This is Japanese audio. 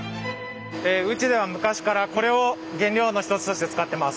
うちでは昔からこれを原料の一つとして使ってます。